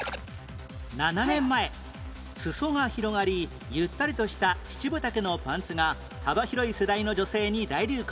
７年前裾が広がりゆったりとした七分丈のパンツが幅広い世代の女性に大流行